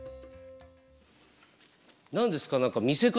何ですか？